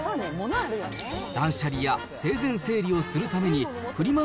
断捨離や生前整理をするためにフリマ